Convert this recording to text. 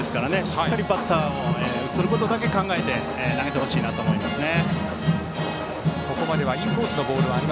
しっかりバッターを打ち取ることだけ考えて投げてほしいと思いますね。